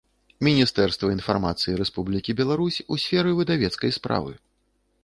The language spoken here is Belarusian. Мiнiстэрства iнфармацыi Рэспублiкi Беларусь у сферы выдавецкай справы.